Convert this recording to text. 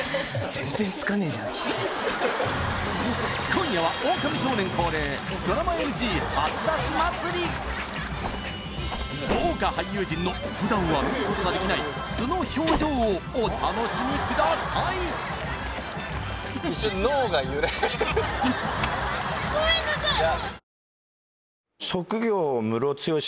今夜は豪華俳優陣の普段は見ることができない素の表情をお楽しみくださいいきますよ